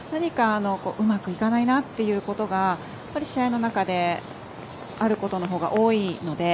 うまくいかないなっていうことが試合の中であることのほうが多いので。